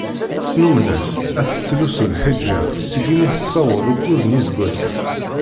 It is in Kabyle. Snummen-as ad tettlusu lḥiǧab seg imi tessaweḍ ukuẓ n yiseggasen.